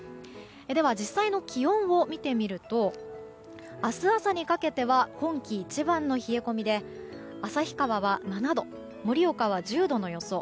では、実際の気温を見てみると明日朝にかけては今季一番の冷え込みで旭川は７度盛岡は１０度の予想。